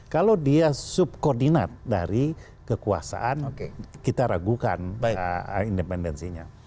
kalau dia subordinat dari kekuasaan kita ragukan independensinya